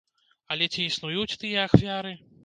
Але ці існуюць тыя ахвяры?